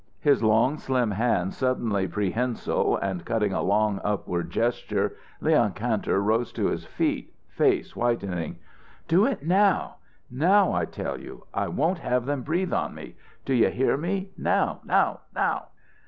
His long, slim hands suddenly prehensile and cutting a long, upward gesture, Leon Kantor rose to his feet, face whitening. "Do it now! Now, I tell you! I won't have them breathe on me. Do you hear me? Now! Now! Now!"